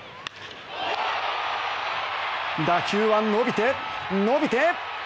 打球は伸びて、伸びて。